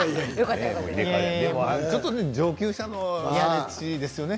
ちょっと上級者のストレッチですよね